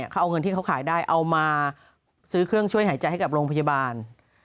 เขาเอาเงินที่เขาขายได้เอามาซื้อเครื่องช่วยหายใจให้กับโรงพยาบาล